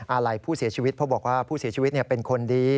อะไรผู้เสียชีวิตเพราะบอกว่าผู้เสียชีวิตเป็นคนดี